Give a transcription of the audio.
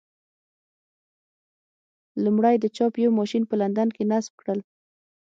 لومړی د چاپ یو ماشین په لندن کې نصب کړل.